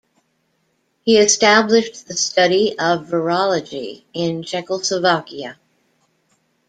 He established the study of virology in Czechoslovakia.